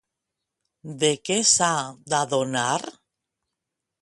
De què s'ha d'adonar?